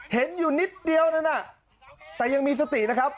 เห็นอยู่นิดเดียวนั่นน่ะแต่ยังมีสตินะครับ